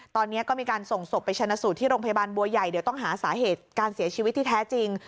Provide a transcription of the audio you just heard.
ตอนนี้ก็มีการส่งศพไปชนะสูตรที่โรงพยาบาลบัวใหญ่เดี๋ยวต้องหาสาเหตุการเสียชีวิตที่แท้จริง